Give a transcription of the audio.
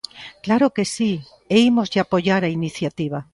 ¡Claro que si!, e ímoslle apoiar a iniciativa.